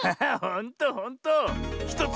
ほんとほんと。